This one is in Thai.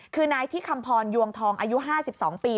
คือนายที่คำพรยวงทองอายุ๕๒ปี